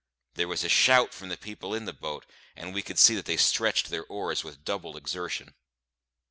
There was a shout from the people in the boat, and we could see that they stretched to their oars with doubled exertion.